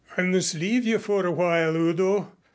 "I must leave you for a while, Udo.